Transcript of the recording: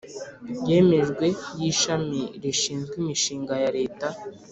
yemejwe y’ishami rishinzwe imishinga ya leta;